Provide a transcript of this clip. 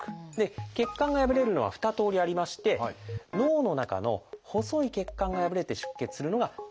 血管が破れるのは２通りありまして脳の中の細い血管が破れて出血するのが「脳出血」。